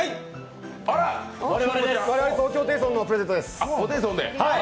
我々東京ホテイソンのプレゼントです。